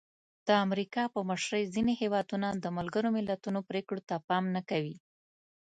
د امریکا په مشرۍ ځینې هېوادونه د ملګرو ملتونو پرېکړو ته پام نه کوي.